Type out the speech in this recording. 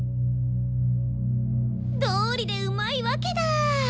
どうりでうまいわけだ！